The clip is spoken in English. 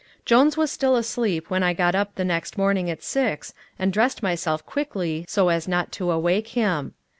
Jones was still asleep when I got up the next morning at six and dressed myself quietly so as not to awake him.